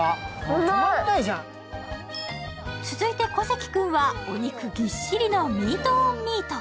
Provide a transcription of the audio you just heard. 続いて、小関君はお肉ぎっしりのミートｏｎミート。